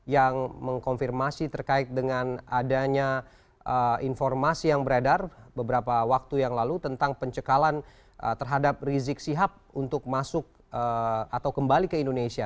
yang mengkonfirmasi terkait dengan adanya informasi yang beredar beberapa waktu yang lalu tentang pencekalan terhadap rizik sihab untuk masuk atau kembali ke indonesia